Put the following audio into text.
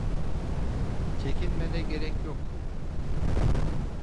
Çekinmene gerek yok.